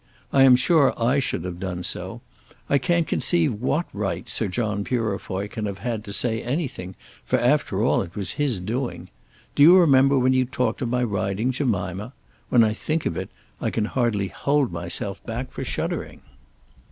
I am sure I should have done so. I can't conceive what right Sir John Purefoy can have had to say anything, for after all it was his doing. Do you remember when you talked of my riding Jemima? When I think of it I can hardly hold myself for shuddering.